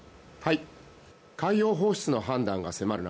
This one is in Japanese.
海洋放出の判断が迫る